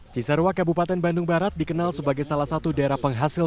cisarua kabupaten bandung barat dikenal sebagai salah satu daerah penghasil